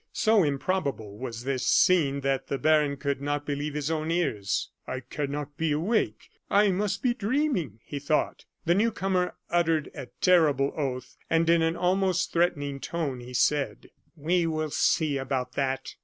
So improbable was this scene that the baron could not believe his own ears. "I cannot be awake; I must be dreaming," he thought. The new comer uttered a terrible oath, and, in an almost threatening tone, he said: "We will see about that!